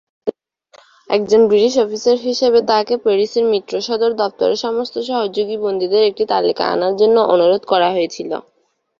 একজন British officer হিসাবে, তাঁকে প্যারিসের মিত্র সদর দফতরে সমস্ত সহযোগী বন্দীদের একটি তালিকা আনার জন্য অনুরোধ করা হয়েছিল।